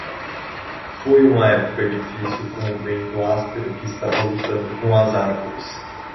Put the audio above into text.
Foi uma época difícil com o vento áspero que estava lutando com as árvores.